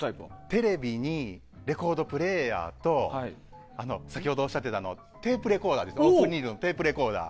テレビにレコードプレーヤーと先ほどおっしゃっていたテープレコーダー。